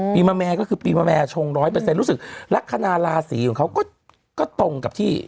มาแม่ก็คือปีมะแม่ชงร้อยเปอร์เซ็นรู้สึกลักษณะราศีของเขาก็ตรงกับที่